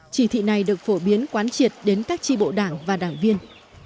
chỉ thị này được phổ biến quán triệt đến các tri bộ đảng và đảng viên